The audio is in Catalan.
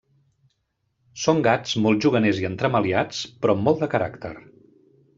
Són gats molt juganers i entremaliats, però amb molt de caràcter.